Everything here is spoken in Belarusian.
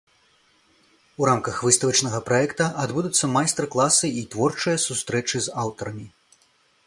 У рамках выставачнага праекта адбудуцца майстар-класы і творчыя сустрэчы з аўтарамі.